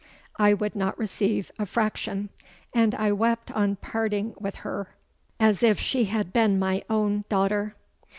I would not receive a fraction; and I wept on parting with her, as if she had been my own daughter.